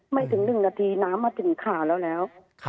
ไม่ถึง๑นาทีน้ำมาถึงขาแล้วแล้ว